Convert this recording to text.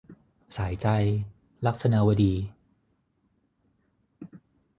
สายใจ - ลักษณวดี